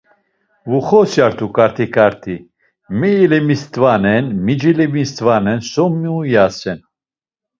Vuxosyartu ǩartiǩart̆i, mi elemistvanen mi celemistvanen so mu iyasen.